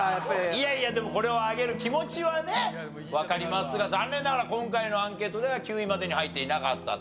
いやいやでもこれを挙げる気持ちはねわかりますが残念ながら今回のアンケートでは９位までに入っていなかったと。